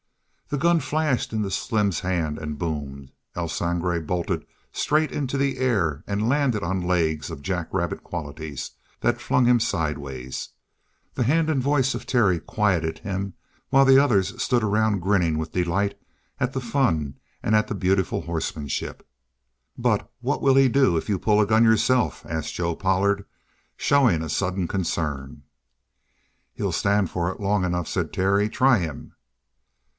The gun flashed into Slim's hand and boomed. El Sangre bolted straight into the air and landed on legs of jack rabbit qualities that flung him sidewise. The hand and voice of Terry quieted him, while the others stood around grinning with delight at the fun and at the beautiful horsemanship. "But what'll he do if you pull a gun yourself?" asked Joe Pollard, showing a sudden concern. "He'll stand for it long enough," said Terry. "Try him!"